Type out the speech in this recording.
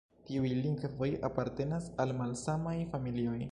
Tiuj lingvoj apartenas al malsamaj familioj.